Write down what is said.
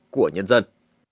của nhân dân